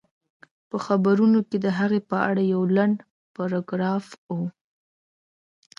په خبرونو کې د هغې په اړه يو لنډ پاراګراف و